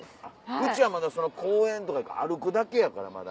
うちはまだ公園とか歩くだけやからまだ。